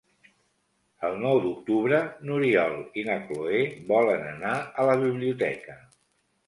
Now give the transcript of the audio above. El nou d'octubre n'Oriol i na Cloè volen anar a la biblioteca.